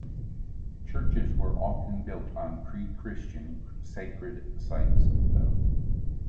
Churches were often built on pre-Christian sacred sites, though.